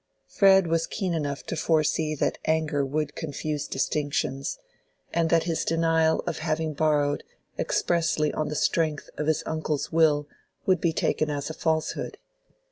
Fred was keen enough to foresee that anger would confuse distinctions, and that his denial of having borrowed expressly on the strength of his uncle's will would be taken as a falsehood.